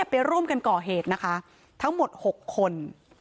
ไปร่วมกันก่อเหตุนะคะทั้งหมด๖คน